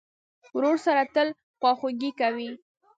ورور سره تل خواخوږي کوې.